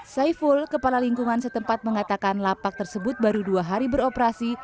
saiful kepala lingkungan setempat mengatakan lapak tersebut baru dua hari beroperasi